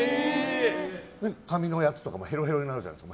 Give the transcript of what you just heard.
紙のやつとかもへろへろになるじゃないですか。